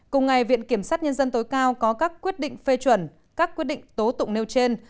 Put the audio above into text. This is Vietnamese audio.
cùng ngày viện kiểm sát nhân dân tối cao có các quyết định phê chuẩn các quyết định tố tụng nêu trên